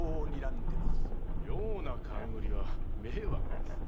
妙な勘繰りは迷惑です。